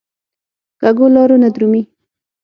په کږو لارو نه درومي.